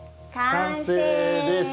完成です！